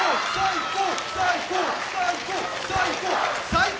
最高！